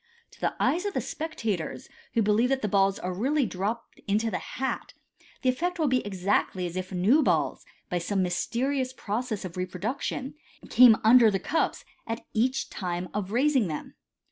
To the eyes of the spectators, who believe that the balls are really dropped into the hai. the effect will be exactly as if new balls, by some mysterious pro cess of reproduction, came under the cups at each time of raising them.